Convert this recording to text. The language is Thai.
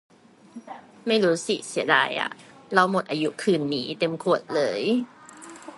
ไม่รู้สิ เสียดายอะ เหล้าหมดอายุคืนนี้ เต็มขวดเลย